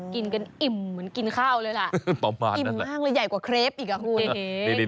กินกันอิ่มเหมือนกินข้าวเลยล่ะอิ่มมากเลยใหญ่กว่าเครปอีกอ่ะคุณ